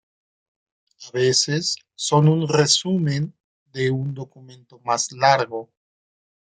A veces son un resumen de un documento más largo.